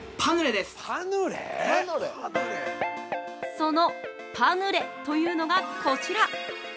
そのパヌレというのがこちら。